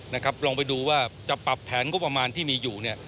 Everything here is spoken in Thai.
นะครับลองไปดูว่าจะปรับแผนก็ประมาณที่มีอยู่